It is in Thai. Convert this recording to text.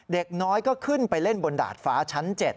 เด็กน้อยก็ขึ้นไปเล่นบนดาดฟ้าชั้น๗